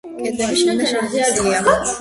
კედლები შიგნიდან შელესილია.